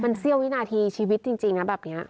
มันเสี้ยววินาทีชีวิตจริงนะแบบนี้